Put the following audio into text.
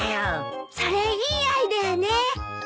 それいいアイデアね。